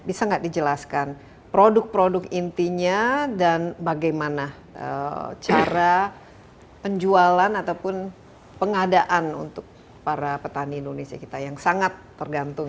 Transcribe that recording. bisa nggak dijelaskan produk produk intinya dan bagaimana cara penjualan ataupun pengadaan untuk para petani indonesia kita yang sangat tergantung